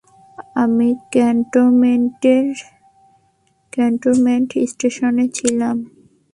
আমি ক্যান্টনমেন্ট স্টেশনে ছিলাম।